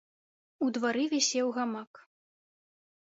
У двары вісеў гамак.